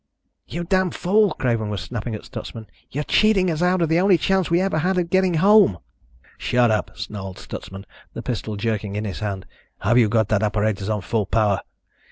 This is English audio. "You damn fool," Craven was snapping at Stutsman. "You're cheating us out of the only chance we ever had of getting home." "Shut up," snarled Stutsman, the pistol jerking in his hand. "Have you got that apparatus on full power?"